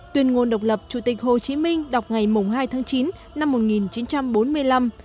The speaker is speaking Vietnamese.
tuyên ngôn độc lập chủ tịch hồ chí minh đọc ngày hai tháng chín năm một nghìn chín trăm bốn mươi năm